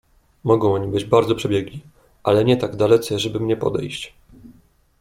"Mogą oni być bardzo przebiegli, ale nie tak dalece, żeby mnie podejść."